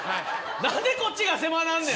何でこっちが狭なんねん。